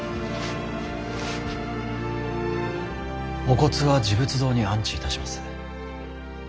お骨は持仏堂に安置いたします。